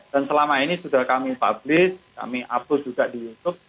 dan selama ini sudah kami publish kami upload juga di youtube